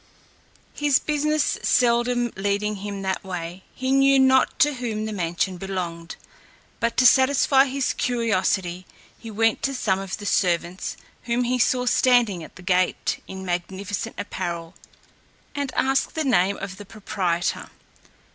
His business seldom leading him that way, he knew not to whom the mansion belonged; but to satisfy his curiosity, he went to some of the servants, whom he saw standing at the gate in magnificent apparel, and asked the name of the proprietor.